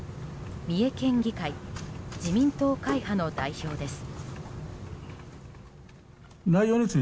三重県議会自民党会派の代表です。